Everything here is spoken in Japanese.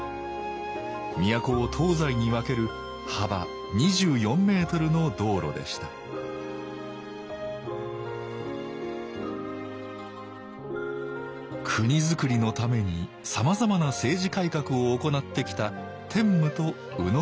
都を東西に分ける幅２４メートルの道路でした国づくりのためにさまざまな政治改革を行ってきた天武と野讃良。